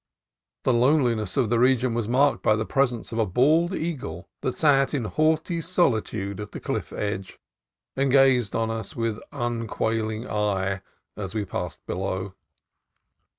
The loneliness of the region A MARBLEHEAD SKIPPER 115 was marked by the presence of a bald eagle that sat in haughty solitude on the cliff edge, and gazed on us with unquailing eye as we passed below.